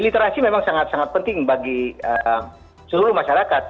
literasi memang sangat sangat penting bagi seluruh masyarakat